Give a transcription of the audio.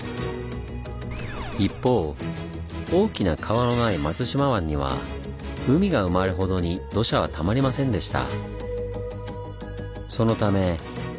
一方大きな川のない松島湾には海が埋まるほどに土砂はたまりませんでした。